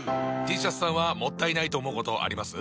Ｔシャツさんはもったいないと思うことあります？